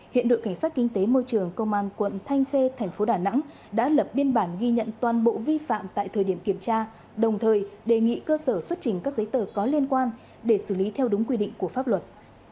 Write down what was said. hiện đội cảnh sát kinh tế môi trường công an quận thanh khê thành phố đà nẵng đã lập biên bản ghi nhận toàn bộ vi phạm tại thời điểm kiểm tra đồng thời đề nghị cơ sở xuất trình các giấy tờ có liên quan để xử lý theo đúng quy định của pháp luật